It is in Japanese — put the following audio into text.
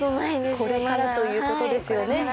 これからということですよね。